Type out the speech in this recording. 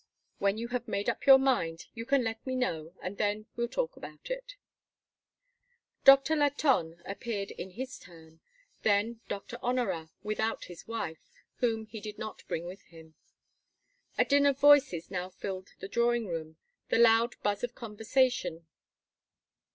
When you have made up your mind, you can let me know, and then we'll talk about it." Doctor Latonne appeared in his turn, then Doctor Honorat, without his wife, whom he did not bring with him. A din of voices now filled the drawing room, the loud buzz of conversation.